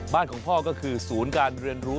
บ้านของพ่อก็คือศูนย์การเรียนรู้